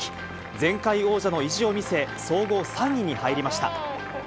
前回王者の意地を見せ、総合３位に入りました。